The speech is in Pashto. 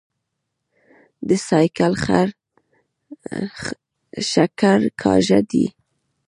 د سايکل ښکر کاژه دي